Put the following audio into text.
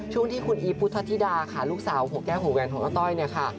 ช่วงที่คุณอีฟพุทธธิดาค่ะลูกสาวหัวแก้วหัวแวนของอาต้อยเนี่ยค่ะ